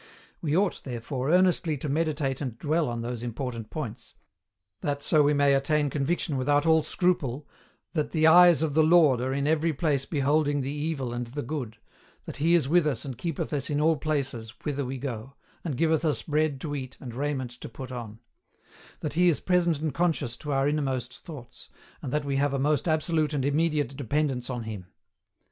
We ought, therefore, earnestly to meditate and dwell on those important points; that so we may attain conviction without all scruple "that the eyes of the Lord are in every place beholding the evil and the good; that He is with us and keepeth us in all places whither we go, and giveth us bread to eat and raiment to put on"; that He is present and conscious to our innermost thoughts; and that we have a most absolute and immediate dependence on Him.